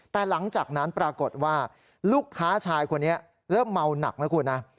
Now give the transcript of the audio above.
แต่หลังจากนั้นปรากฏว่าลูกค้าชายคนนี้เริ่มเมาหนักนะคุณนะ